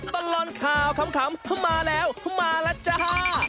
ตลอดข่าวขำมาแล้วมาแล้วจ้า